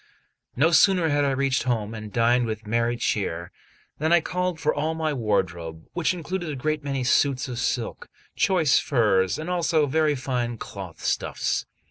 No sooner had I reached home and dined with merry cheer, than I called for all my wardrobe, which included a great many suits of silk, choice furs, and also very fine cloth stuffs.